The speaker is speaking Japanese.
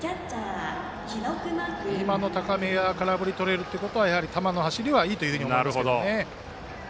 今の高めで空振りがとれるということはやはり球の走りはいいと思います。